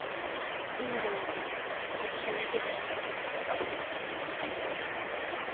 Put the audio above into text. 今じゃないともう聞けない気がして。